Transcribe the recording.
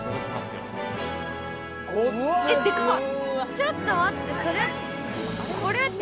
ちょっと待って！